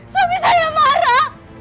suami saya marah